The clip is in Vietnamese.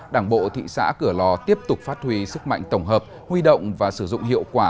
đảng bộ thị xã cửa lò tiếp tục phát huy sức mạnh tổng hợp huy động và sử dụng hiệu quả